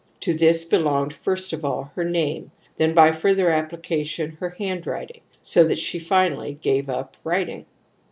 To this belonged first of all her name, then by further application her hand writing, so that she finally gave up writing.